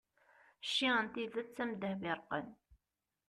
cci n tidet am ddheb iṛeqqen